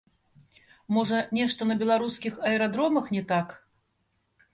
Можа, нешта на беларускіх аэрадромах не так?